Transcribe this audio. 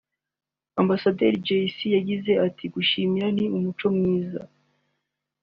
Ambassador Jay C Yagize ati "Gushimira ni umuco mwiza